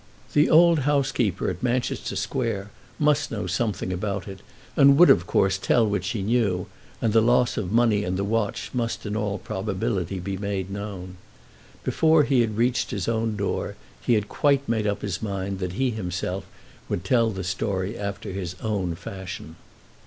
The old housekeeper at Manchester Square must know something about it, and would, of course, tell what she knew, and the loss of the money and the watch must in all probability be made known. Before he had reached his own door he had quite made up his mind that he himself would tell the story after his own fashion.